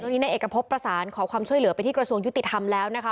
วันนี้ในเอกพบประสานขอความช่วยเหลือไปที่กระทรวงยุติธรรมแล้วนะคะ